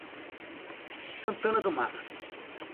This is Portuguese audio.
Santana do Matos